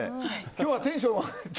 今日はテンション。